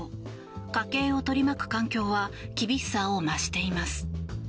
家計を取り巻く環境は厳しさを増しています。